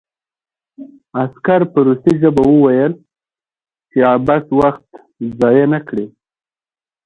عسکر په روسي ژبه وویل چې عبث وخت ضایع نه کړي